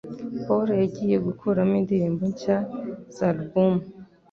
Paul yagiye gukuramo indirimbo nshya za alubumu